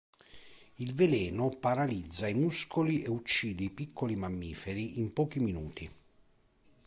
Il veleno paralizza i muscoli e uccide i piccoli mammiferi in pochi minuti.